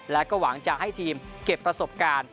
และก็หวังจะให้ทีมเก็บประสบการณ์